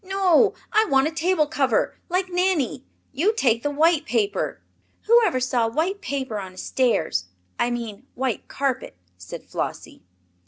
"No, I want a table cover, like Nanny. You take the white paper." "Whoever saw white paper on a stairs I mean white carpet," said Flossie.